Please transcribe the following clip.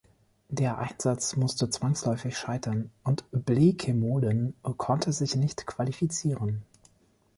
Der Einsatz musste zwangsläufig scheitern, und Bleekemolen konnte sich nicht qualifizieren.